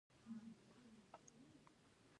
زغال د افغان کلتور سره تړاو لري.